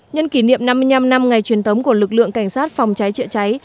nhân kỷ niệm năm mươi năm năm ngày truyền tống của lực lượng cảnh sát phòng cháy trị cháy